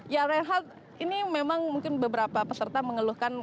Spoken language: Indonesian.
ya reinhardt ini memang mungkin beberapa peserta mengeluhkan